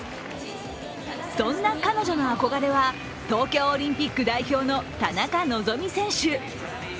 そんな彼女の憧れは東京オリンピック代表の田中希実選手。